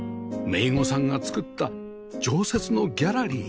姪御さんが作った常設のギャラリー